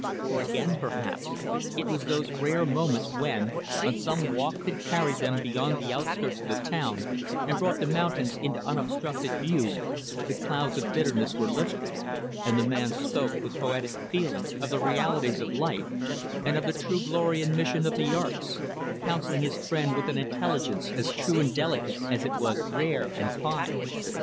Or, again, perhaps, it was those rare moments, when on some walk that carried them beyond the outskirts of the town, and brought the mountains into unobstructed view the clouds of bitterness were lifted; and the man spoke with poetic feeling of the realities of life, and of the true glory and mission of the arts; counseling his friend with an intelligence as true and delicate as it was rare and fine.